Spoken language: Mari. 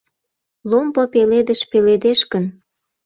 Ломбо пеледыш пеледеш гын